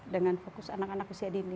dengan fokus anak anak usia dini